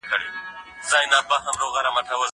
سینه سپين د کتابتوننۍ له خوا کيږي؟!